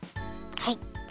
はい。